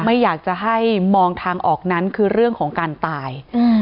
ไม่อยากจะให้มองทางออกนั้นคือเรื่องของการตายอืม